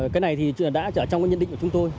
cái này thì đã trong cái nhận định của chúng tôi